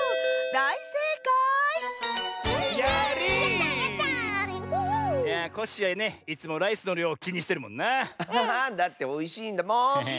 だっておいしいんだもん！